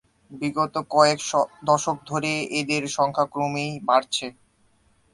বিগত কয়েক দশক ধরে এদের সংখ্যা ক্রমেই বাড়ছে।